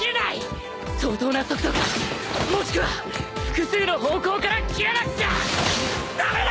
相当な速度かもしくは複数の方向から斬らなくちゃ駄目だ！